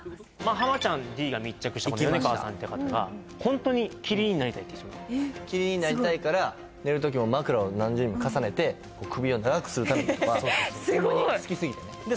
ハマちゃんＤが密着したこの米川さんっていう方がホントにキリンになりたいっていう人なのえっすごいキリンになりたいから寝る時も枕を何重にも重ねて首を長くするためにとかすごい好きすぎてねで